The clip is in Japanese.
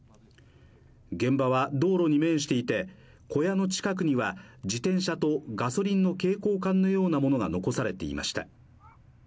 現場は道路に面していて、小屋の近くには自転車とガソリンの携行缶のようなものが残されていました。